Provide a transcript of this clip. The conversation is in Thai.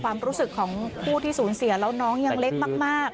ความรู้สึกของผู้ที่สูญเสียแล้วน้องยังเล็กมาก